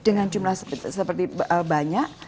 dengan jumlah seperti banyak